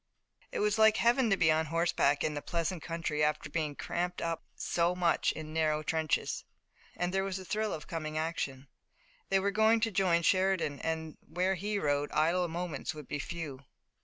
It was like Heaven to be on horseback in the pleasant country after being cramped up so much in narrow trenches, and there was the thrill of coming action. They were going to join Sheridan and where he rode idle moments would be few.